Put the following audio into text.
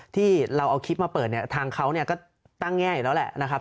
ที่เราเอาคลิปมาเปิดเนี่ยทางเขาก็ตั้งแง่อยู่แล้วแหละนะครับ